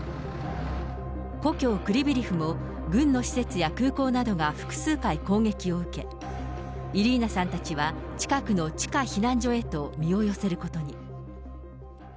故郷、クリビリフも軍の施設や空港などが複数回攻撃を受け、イリーナさんたちは、近くの地下避難所へと身を寄せることに。